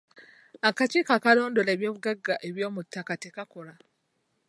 Akakiiko akalondoola ebyobugagga eby'omuttaka tekakola.